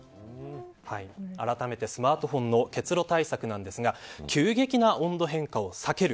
あらためてスマートフォンの結露対策なんですが急激な温度変化を避ける。